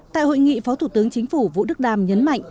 tại hội nghị phó thủ tướng chính phủ vũ đức đam nhấn mạnh